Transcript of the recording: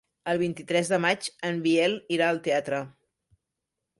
El vint-i-tres de maig en Biel irà al teatre.